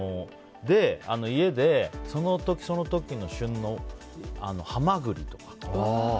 家でその時その時の旬のハマグリとか。